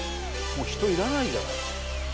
もう人いらないじゃない。